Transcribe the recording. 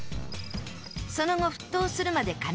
その後沸騰するまで加熱。